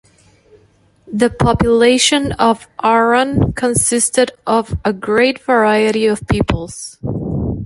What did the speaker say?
The population of Arran consisted of a great variety of peoples.